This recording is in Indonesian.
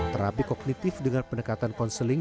terapi kognitif dengan pendekatan konseling